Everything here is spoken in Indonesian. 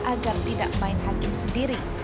agar tidak main hakim sendiri